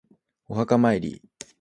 お墓参り